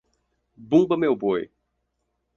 Bumba meu boi